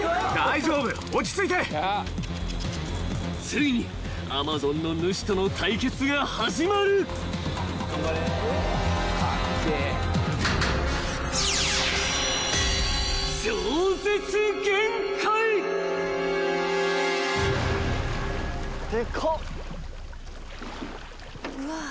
［ついにアマゾンの主との対決が始まる］でかっ！